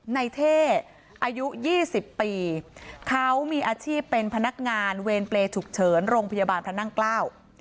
เท่อายุยี่สิบปีเขามีอาชีพเป็นพนักงานเวรเปรย์ฉุกเฉินโรงพยาบาลพระนั่งเกล้า